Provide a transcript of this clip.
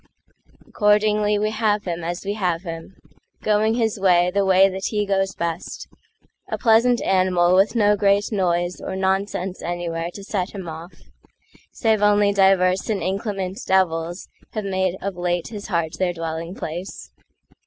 Accordingly we have him as we have him—Going his way, the way that he goes best,A pleasant animal with no great noiseOr nonsense anywhere to set him off—Save only divers and inclement devilsHave made of late his heart their dwelling place.